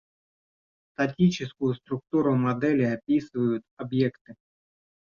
Статическую структуру модели описывают объекты